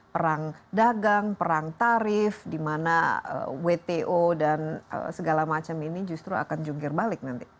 perang dagang perang tarif di mana wto dan segala macam ini justru akan jungkir balik nanti